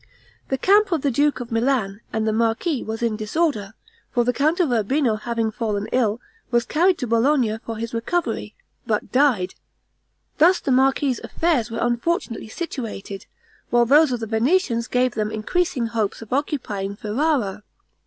The camp of the duke of Milan and the marquis was in disorder; for the count of Urbino having fallen ill, was carried to Bologna for his recovery, but died. Thus the marquis's affairs were unfortunately situated, while those of the Venetians gave them increasing hopes of occupying Ferrara.